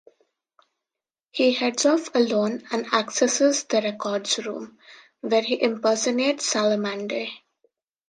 He heads off alone and accesses the Records Room, where he impersonates Salamander.